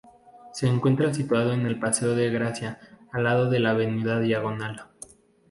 Se encuentra situado en el paseo de Gracia, al lado de la avenida Diagonal.